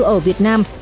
ở việt nam